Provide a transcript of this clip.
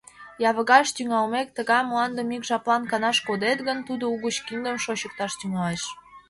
Явыгаш тӱҥалмек, тыгай мландым ик жаплан канаш кодет гын, тудо угыч киндым шочыкташ тӱҥалеш.